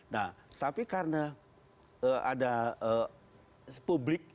nah tapi karena ada publik